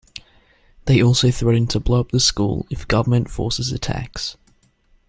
They also threatened to blow up the school if government forces attacked.